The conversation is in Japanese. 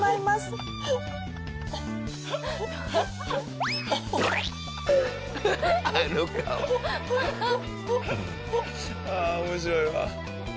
ああ面白いわ。